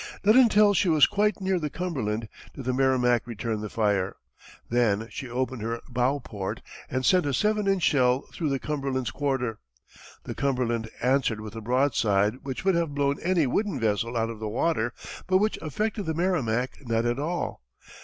Not until she was quite near the Cumberland did the Merrimac return the fire. Then she opened her bow port and sent a seven inch shell through the Cumberland's quarter. The Cumberland answered with a broadside which would have blown any wooden vessel out of the water, but which affected the Merrimac not at all.